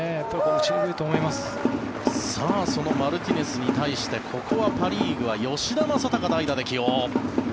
そのマルティネスに対してここはパ・リーグは吉田正尚、代打で起用。